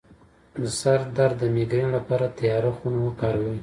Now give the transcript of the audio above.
د سر درد د میګرین لپاره تیاره خونه وکاروئ